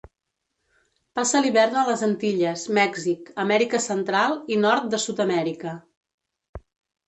Passa l'hivern a les Antilles, Mèxic, Amèrica Central i nord de Sud-amèrica.